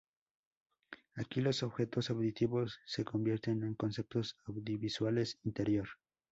Aquí los objetos auditivos se convierten en conceptos audiovisuales interior.